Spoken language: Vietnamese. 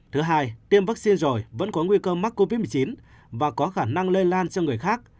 thứ hai tiêm vaccine rồi vẫn có nguy cơ mắc covid một mươi chín và có khả năng lây lan cho người khác